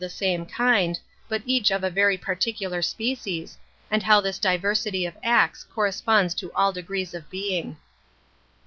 Metaphysics 57 same kind, but each of a very particular species, and how this diversity of acts corresponds to all the degrees of being.